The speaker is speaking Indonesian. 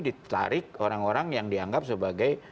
ditarik orang orang yang dianggap sebagai